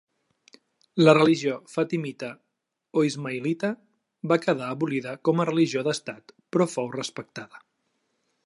La religió fatimita o ismaïlita va quedar abolida com a religió d'estat però fou respectada.